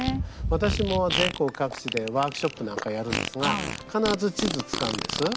私も全国各地でワークショップなんかやるんですが必ず地図使うんです。